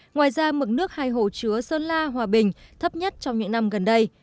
ngoài ra mực nước hai hồ chứa sơn la hòa bình thấp nhất trong những năm gần đây